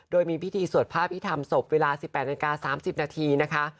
โดยมีพิธีสวดภาพอีธรรมศพเวลา๑๘อันการ์๓๐นาทีนะคะ